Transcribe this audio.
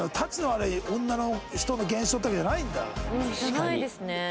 じゃないですね。